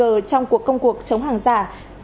trong cuộc công cuộc chống hàng giả